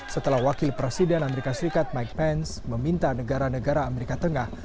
setelah wakil presiden amerika serikat mike pence meminta negara negara amerika tengah